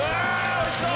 おいしそう！